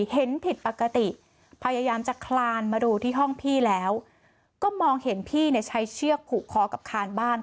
เห็นผิดปกติพยายามจะคลานมาดูที่ห้องพี่แล้วก็มองเห็นพี่เนี่ยใช้เชือกผูกคอกับคานบ้าน